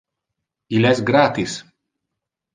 Il es gratis.